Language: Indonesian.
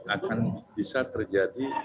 akan bisa terjadi